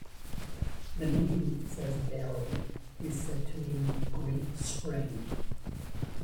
The name, says Bailey, is said to mean "Great Spring".